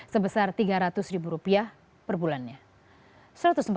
sebesar tiga ratus ribu rupiah per bulannya